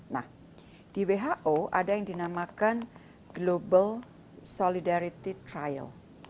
nah di who ada yang dinamakan global solidarity trial